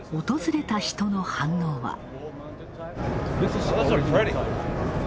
訪れた人の反応は。